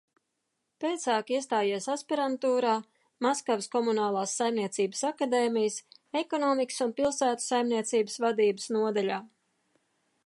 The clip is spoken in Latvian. Pēcāk iestājies aspirantūrā Maskavas Komunālās saimniecības akadēmijas Ekonomikas un pilsētu saimniecības vadības nodaļā.